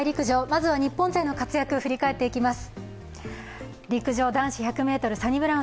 まずは日本勢の活躍を振り返っていきます。